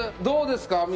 どうですか？